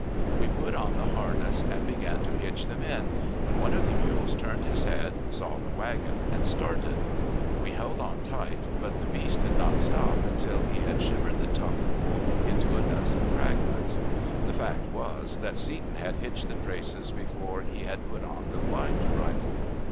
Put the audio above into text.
We put on the harness, and began to hitch them in, when one of the mules turned his head, saw the wagon, and started. We held on tight, but the beast did not stop until he had shivered the tongue pole into a dozen fragments. The fact was, that Seton had hitched the traces before he had put on the blind bridle.